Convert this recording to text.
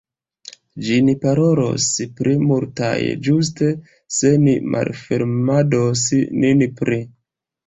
Ĝin parolos pli multaj ĝuste se ni malfermados nin pli!